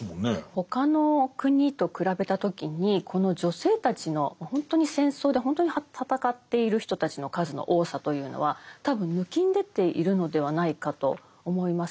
他の国と比べた時にこの女性たちの本当に戦争で本当に戦っている人たちの数の多さというのは多分ぬきんでているのではないかと思います。